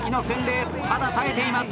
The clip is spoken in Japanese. ただ耐えています